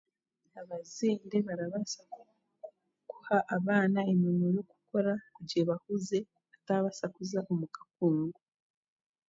Abazaire barabaasa kuha abaana emirimo y'okukora kugira ebahuzye bataabaasa kuza omu kakungu